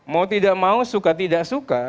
mau tidak mau suka tidak suka